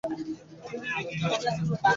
মন্ত্রী কহিলেন, যে আজ্ঞে।